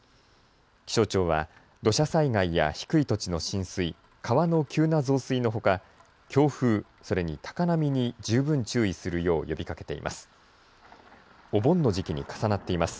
気象庁は土砂災害や低い土地の浸水、川の急な増水のほか強風、それに高波に十分注意するよう呼びかけています。